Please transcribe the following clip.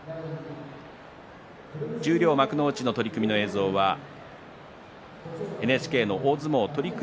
十両と幕内の取組の映像はＮＨＫの取組